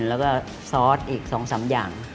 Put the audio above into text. แล้วก็ซอสอีก๒๓อย่าง